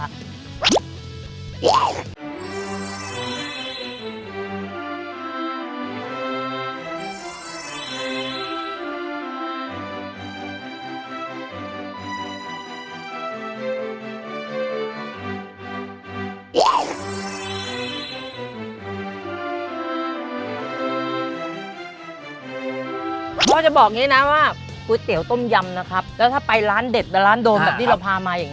พ่อจะบอกจะบอกอย่างนี้นะว่าก๋วยเตี๋ยวต้มยำนะครับแล้วถ้าไปร้านเด็ดไปร้านโดมแบบที่เราพามาอย่างนี้